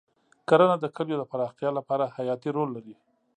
کرنه د کلیو د پراختیا لپاره حیاتي رول لري.